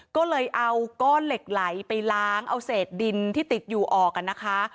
ก็เลยเอาก้อนเหล็กไหลไปล้างเอาเศษดินที่ติดอยู่ออกกันนะคะ